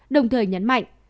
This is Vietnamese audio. đồng thời nhấn mạnh